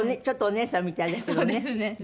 ちょっとお姉さんみたいですもんね。